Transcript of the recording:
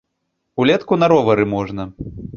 Улетку на ровары можна.